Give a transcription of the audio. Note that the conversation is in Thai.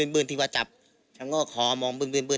เบิ่นที่จับชังก็ขอมองเบิ่น